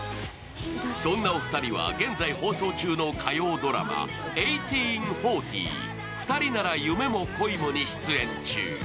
そんなお二人は現在放送中の火曜ドラマ、「１８／４０ふたりなら夢も恋も」に出演中。